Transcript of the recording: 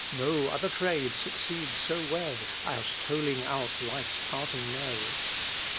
No other trade succeeds so well As tolling out life's parting knell.